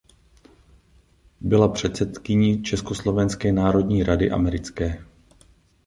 Byla předsedkyní Československé národní rady americké.